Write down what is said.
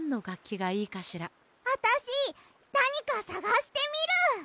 あたしなにかさがしてみる！